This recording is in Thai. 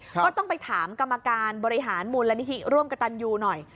ก็ต้องไปถามกรรมการบริหารมูลนิธิร่วมกับตันยูหน่อย